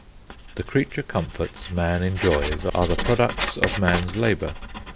The creature comforts man enjoys are the products of man's labour.